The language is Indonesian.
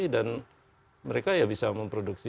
dan mereka ya bisa memproduksi